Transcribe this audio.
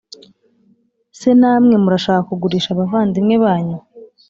se namwe murashaka kugurisha abavandimwe banyu